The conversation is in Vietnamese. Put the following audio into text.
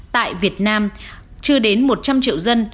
tại việt nam chưa đến một trăm linh triệu dân